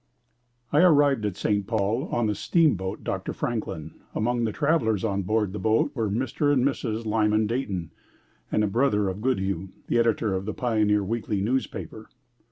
I arrived at St. Paul on the steamboat Dr. Franklin. Among the travelers on board the boat were Mr. and Mrs. Lyman Dayton and a brother of Goodhue, the Editor of the Pioneer Weekly Newspaper.